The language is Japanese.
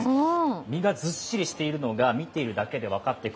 身がずっしりしているのが見ているだけで分かります。